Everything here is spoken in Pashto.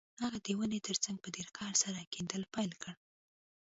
هغه د ونې ترڅنګ په ډیر قهر سره کیندل پیل کړل